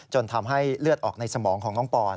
ทำให้เลือดออกในสมองของน้องปอน